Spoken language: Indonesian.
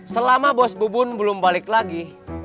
selama bos bubun belum balik lagi